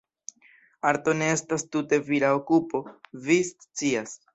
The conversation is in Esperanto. Arto ne estas tute vira okupo, vi scias.